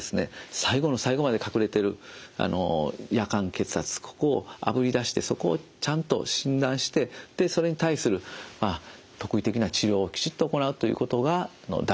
最後の最後まで隠れてる夜間血圧ここをあぶり出してそこをちゃんと診断してでそれに対する特異的な治療をきちっと行うということが大事と。